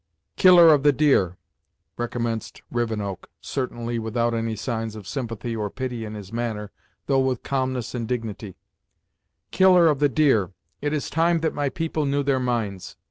"Killer of the Deer," recommenced Rivenoak, certainly without any signs of sympathy or pity in his manner, though with calmness and dignity, "Killer of the Deer, it is time that my people knew their minds.